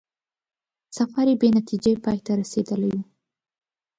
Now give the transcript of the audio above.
سفر یې بې نتیجې پای ته رسېدلی وو.